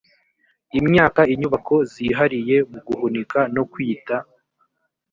imyaka inyubako zihariye mu guhunika no kwita